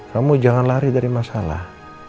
kamu jangan lari dari masalah